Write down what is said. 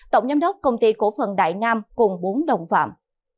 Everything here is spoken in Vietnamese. tổng giám đốc công ty cổ phần đại nam cùng bốn đồng phạm